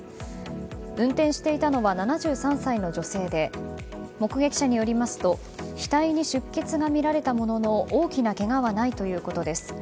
運転していたのは７３歳の女性で目撃者によりますと額に出血が見られたものの大きなけがはないということです。